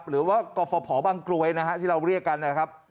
หรือว่ากรฟภบางกรวยนะฮะที่เราเรียกกันนะครับ